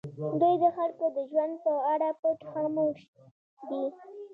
دوی د خلکو د ژوند په اړه پټ خاموش دي.